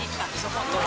本当は。